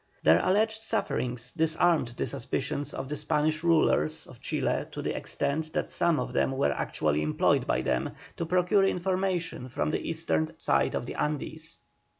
Their alleged sufferings disarmed the suspicions of the Spanish rulers of Chile to the extent that some of them were actually employed by them to procure information from the eastern side of the Andes.